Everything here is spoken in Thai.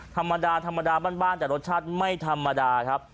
ธรรมดาธรรมดาบ้านแต่รสชาติไม่ธรรมดาครับ